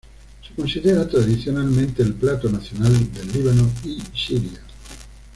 Se considera tradicionalmente el plato nacional del Líbano y Siria.